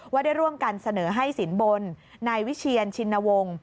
ได้ร่วมกันเสนอให้สินบนนายวิเชียนชินวงศ์